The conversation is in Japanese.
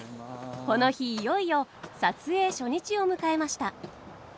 この日いよいよ撮影初日を迎えました。